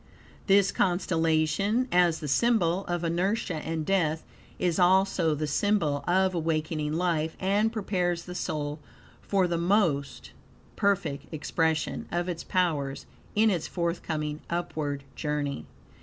This constellation, as the symbol of inertia and death, is also the symbol of awakening life, and prepares the soul for the more perfect expression of its powers in its forthcoming upward journey.